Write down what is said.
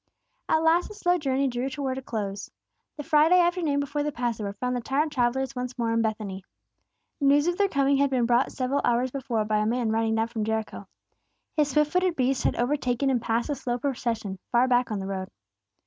At last the slow journey drew towards a close. The Friday afternoon before the Passover found the tired travellers once more in Bethany. News of their coming had been brought several hours before by a man riding down from Jericho. His swift footed beast had overtaken and passed the slow procession far back on the road.